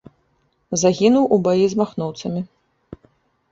Загінуў у баі з махноўцамі.